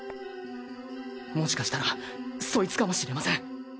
もしかしたらそいつかもしれません！